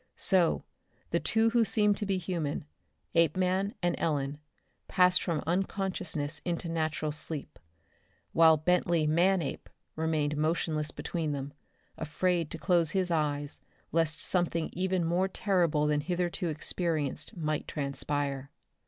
So, the two who seemed to be human Apeman and Ellen, passed from unconsciousness into natural sleep, while Bentley Manape remained motionless between them, afraid to close his eyes lest something even more terrible than hitherto experienced might transpire.